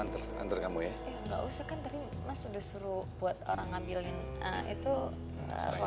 enggak usah kan tadi mas sudah suruh buat orang ngambilin